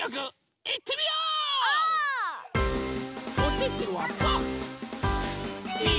おててはパー。